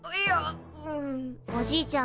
おじいちゃん